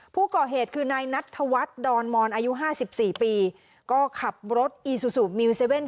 ผู้ก่อเหตุคือนายนัทธวัฒน์ดอนมอนอายุห้าสิบสี่ปีก็ขับรถอีซูซูมิวเซเว่น